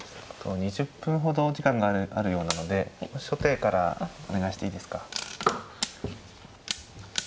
２０分ほどお時間があるようなので初手からお願いしていいですか。